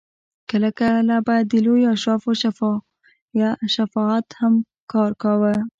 کله کله به د لویو اشرافو شفاعت هم کار کاوه.